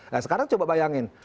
nah sekarang coba bayangin